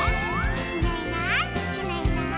「いないいないいないいない」